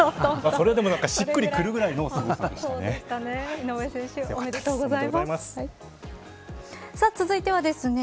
それでもしっくりくるぐらい強かったですね。